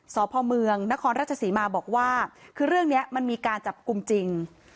สพเมืองนครราชศรีมาบอกว่าคือเรื่องนี้มันมีการจับกลุ่มจริง